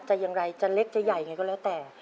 จะอย่างไรจะเล็กจะใหญ่ไงก็แล้วแต่